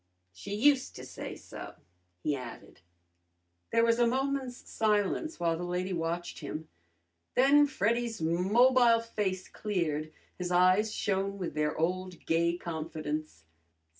"She used to say so," he added. There was a moment's silence, while the lady watched him. Then Freddy's mobile face cleared, his eyes shone with their old gay confidence.